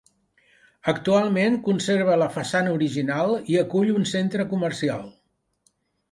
Actualment conserva la façana original i acull un centre comercial.